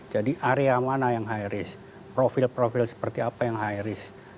jadi area mana yang high risk profil profil seperti apa yang high risk